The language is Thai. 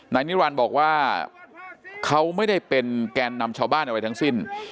นิรันดิ์บอกว่าเขาไม่ได้เป็นแกนนำชาวบ้านอะไรทั้งสิ้น